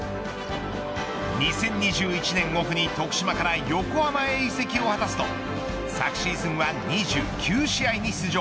２０２１年オフに徳島から横浜へ移籍を果たすと昨シーズンは２９試合に出場。